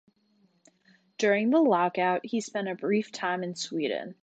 During the lockout, he spent a brief time in Sweden.